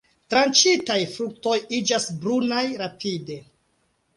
Tranĉitaj fruktoj iĝas brunaj rapide.